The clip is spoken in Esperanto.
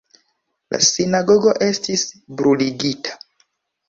La sinagogo estis bruligita.